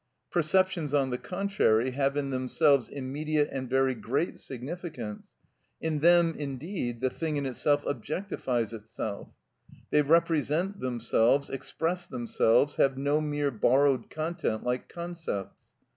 Perceptions, on the contrary, have in themselves immediate and very great significance (in them, indeed, the thing in itself objectifies itself); they represent themselves, express themselves, have no mere borrowed content like concepts.